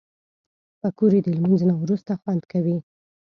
پکورې د لمونځ نه وروسته خوند کوي